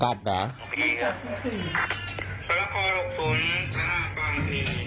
กลับหรือ